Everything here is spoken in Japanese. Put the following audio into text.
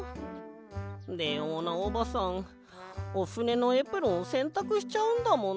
レオーナおばさんおふねのエプロンせんたくしちゃうんだもんなあ。